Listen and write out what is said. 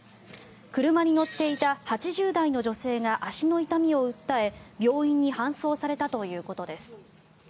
車に乗っていた８０代の女性が足の痛みを訴え病院に搬送されたということです。